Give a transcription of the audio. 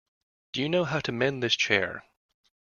Do you know how to mend this chair?